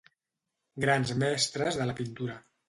Grans mestres de la pintura.